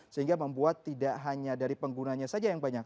sehingga membuat tidak hanya dari penggunanya saja yang banyak